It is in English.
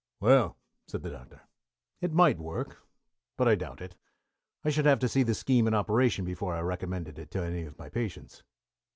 "Well," said the Doctor, "it might work, but I doubt it. I should have to see the scheme in operation before I recommended it to any of my patients."